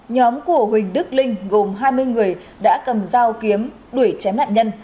nhóm của huỳnh đức linh gồm hai mươi người đã cầm dao kiếm đuổi chém nạn nhân